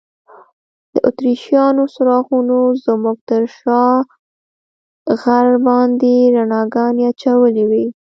د اتریشیانو څراغونو زموږ تر شا غر باندې رڼاګانې اچولي وې.